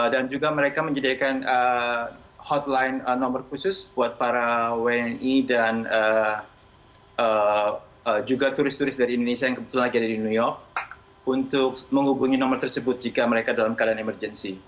dan juga mereka menyediakan hotline nomor khusus buat para wni dan juga turis turis dari indonesia yang kebetulan lagi ada di new york untuk menghubungi nomor tersebut jika mereka dalam keadaan emergency